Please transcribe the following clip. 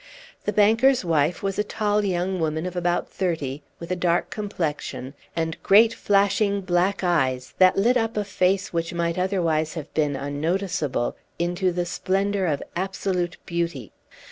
The banker's wife was a tall young woman of about thirty, with a dark complexion, and great flashing black eyes that lit up a face which might otherwise have been unnoticeable into the splendor of absolute beauty.